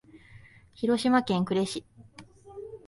広島県呉市